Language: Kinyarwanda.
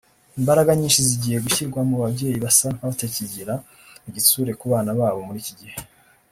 Imbaraga nyinshi zigiye gushyirwa mu babyeyi basa nk’abatakigira igitsure kubana babo muri iki gihe